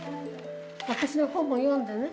私の本も読んでね。